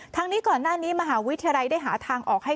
ทั้งนี้ก่อนหน้านี้มหาวิทยาลัยได้หาทางออกให้